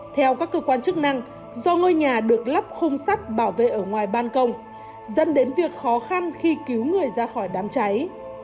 theo các cơ quan chức năng do ngôi nhà được lắp khung sắt bảo vệ ở ngoài ban công dẫn đến việc khó khăn khi cứu người ra khỏi đám cháy